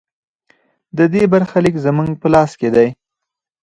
د دې برخلیک زموږ په لاس کې دی